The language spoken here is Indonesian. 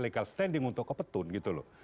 legal standing untuk kebetulan gitu loh